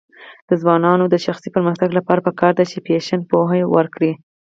د ځوانانو د شخصي پرمختګ لپاره پکار ده چې فیشن پوهه ورکړي.